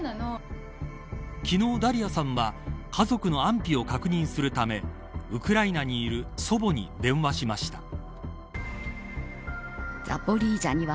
昨日、ダリアさんは家族の安否を確認するためウクライナにいる祖母に電話しました。